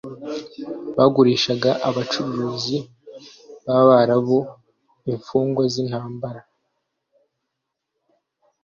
bagurishaga abacuruzi b'Abarabu imfungwa z'intambara.